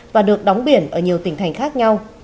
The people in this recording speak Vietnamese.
và được đóng biển ở nhiều tỉnh thành khác nhau